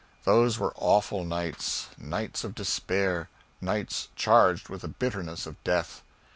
Those were awful nights, nights of despair, nights charged with the bitterness of death.